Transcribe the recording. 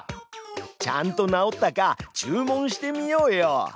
ちゃんと直ったか注文してみようよ。